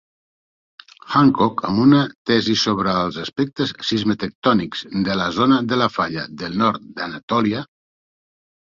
Hancock amb una tesi sobre els ""aspectes seismetectònics de la zona de falla del nord d'Anatòlia"".